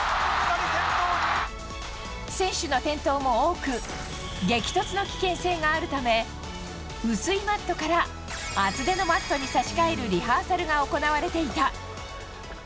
選手の転倒も多く激突の危険性があるため薄いマットから厚手のマットに差し替えるリハーサルが行われていた。